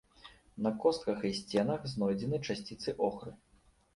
На костках і сценах знойдзены часціцы охры.